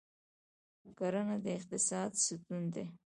کرهڼه د اقتصاد ستون دی